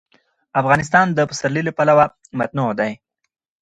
افغانستان د پسرلی له پلوه متنوع دی.